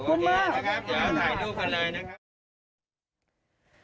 ฉันอยากถ่ายเลือกเห็นเลยนะครับ